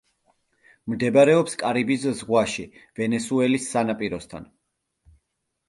მდებარეობს კარიბის ზღვაში, ვენესუელის სანაპიროსთან.